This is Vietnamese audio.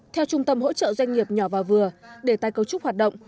theo trung tâm hỗ trợ doanh nghiệp nhỏ và vừa để tái cấu trúc hoạt động